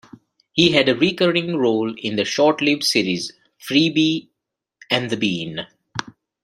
He had a recurring role in the short-lived series "Freebie and the Bean".